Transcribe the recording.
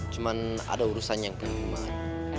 cuma ada urusan yang perlu gue bawa